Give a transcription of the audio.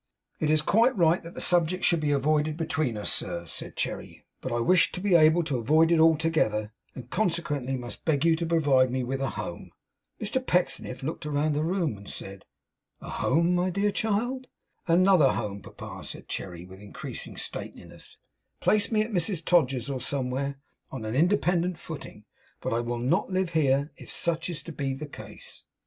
'It's quite right that the subject should be avoided between us, sir,' said Cherry. 'But I wish to be able to avoid it altogether, and consequently must beg you to provide me with a home.' Mr Pecksniff looked about the room, and said, 'A home, my child!' 'Another home, papa,' said Cherry, with increasing stateliness 'Place me at Mrs Todgers's or somewhere, on an independent footing; but I will not live here, if such is to be the case.